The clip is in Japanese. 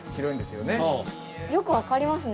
よく分かりますね。